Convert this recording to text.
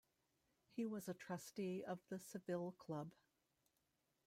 He was a trustee of the Savile Club.